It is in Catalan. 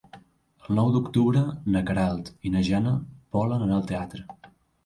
El nou d'octubre na Queralt i na Jana volen anar al teatre.